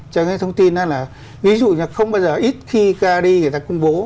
cho cái thông tin đó là ví dụ là không bao giờ ít khi kad người ta công bố